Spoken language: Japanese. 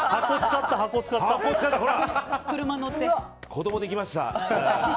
子供できました。